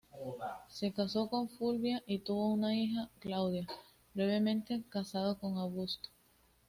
Se casó con Fulvia y tuvo una hija, Claudia, brevemente casada con Augusto.